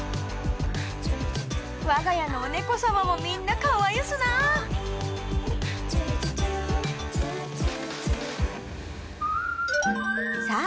我が家のお猫さまもみんなカワユスなさあ